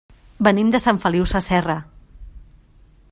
Venim de Sant Feliu Sasserra.